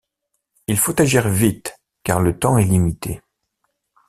Il faut agir vite car le temps est limité.